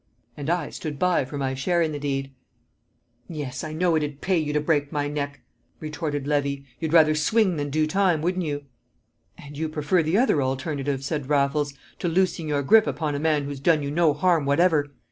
And I stood by for my share in the deed. "Yes! I know it'd pay you to break my neck," retorted Levy. "You'd rather swing than do time, wouldn't you?" "And you prefer the other alternative," said Raffles, "to loosing your grip upon a man who's done you no harm whatever!